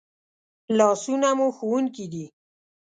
لاسونه مو ښوونکي دي